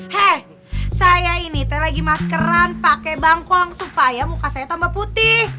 heeh saya ini teh lagi maskeran pake bangkuang supaya muka saya tambah putih